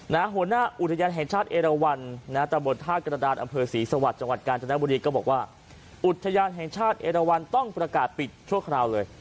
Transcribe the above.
แล้วก็บอกว่าอุทยานแห่งชาติเอดะวันต้องประกาศปิดชั่วคราวเลย